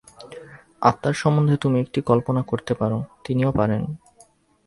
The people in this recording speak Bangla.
আত্মার সম্বন্ধে তুমি একটা কল্পনা করতে পার, তিনিও পারেন।